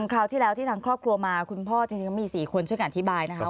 คราวที่แล้วที่ทางครอบครัวมาคุณพ่อจริงก็มี๔คนช่วยกันอธิบายนะคะ